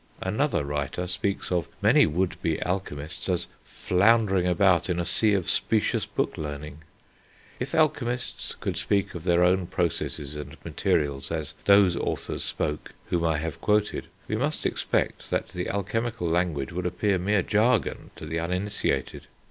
Another writer speaks of many would be alchemists as "floundering about in a sea of specious book learning." If alchemists could speak of their own processes and materials as those authors spoke whom I have quoted, we must expect that the alchemical language would appear mere jargon to the uninitiated.